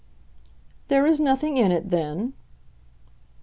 "There is nothing in it, then?"